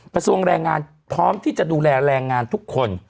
กระทรวงแรงงานพร้อมที่จะดูแลแรงงานทุกคน